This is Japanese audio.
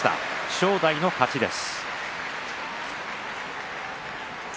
正代の勝ちです。